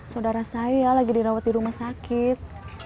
saudara saya lagi dirawat di rumah sakit